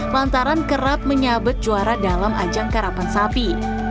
lantaran kerap menyabet juara dalam ajang karapan sapi